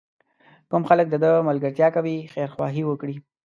کوم خلک د ده ملګرتیا کوي خیرخواهي وکړي.